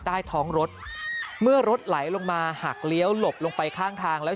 ใต้ท้องรถเมื่อรถไหลลงมาหักเลี้ยวหลบลงไปข้างทางแล้ว